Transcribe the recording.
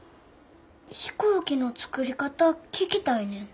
飛行機の作り方聞きたいねん。